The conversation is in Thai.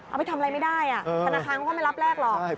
เอาไปทำอะไรไม่ได้ธนาคารเขาก็ไม่รับแรกหรอก